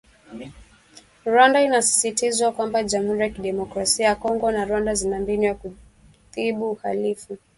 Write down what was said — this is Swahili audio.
Rwanda inasisitizwa kwamba jamhuri ya kidemokrasia ya Kongo na Rwanda zina mbinu za kudhibi uhalifu